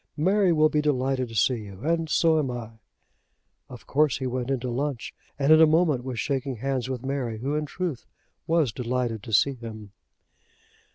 Mary will be delighted to see you, and so am I." Of course he went in to lunch, and in a moment was shaking hands with Mary, who in truth was delighted to see him.